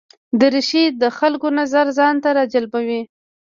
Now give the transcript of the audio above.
دریشي د خلکو نظر ځان ته راجلبوي.